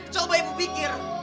coba ibu pikir